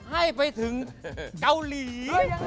ให้ไปถึงเกาหลี